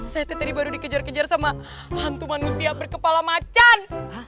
saya tadi baru dikejar kejar sama hantu manusia berkepala macan